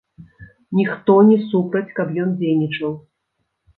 Ніхто не супраць, каб ён дзейнічаў.